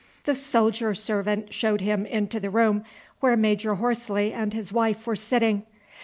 The soldier servant showed him into the room where Major Horsley and his wife were sitting.